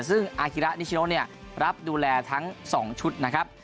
ซึ่งอาฮิระนิชโนรับดูแลทั้ง๒ชุดนะครับ